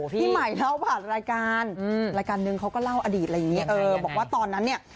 พี่หมายเล่าผ่านรายการรายการนึงเขาก็เล่าอดีตบอกว่าตอนนั้นเนี่ย